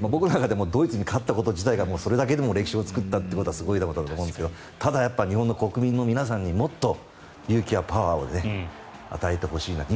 僕の中ではドイツに勝ったことだけでも歴史を作ったことはすごいと思いますがただ、日本の国民の皆さんにもっと勇気やパワーを与えてほしいなと。